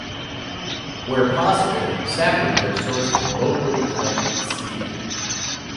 Where possible, saplings are sourced from locally collected seed.